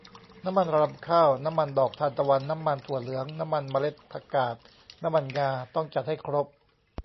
น้ำมันรำข้าว น้ำมันดอกทานตะวัน น้ำมันถั่วเหลือง น้ำมันเมล็ดผักกาด น้ำมันงา ต้องจัดให้ครบ